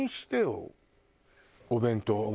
お弁当？